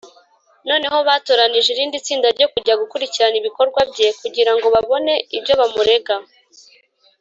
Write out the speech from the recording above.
noneho batoranije irindi tsinda ryo kujya gukurikirana ibikorwa bye, kugira ngo babone ibyo bamurega